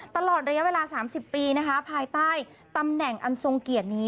ตลอดระยะเวลา๓๐ปีนะคะภายใต้ตำแหน่งอันทรงเกียรตินี้